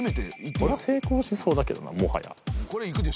これは成功しそうだけどなもはや。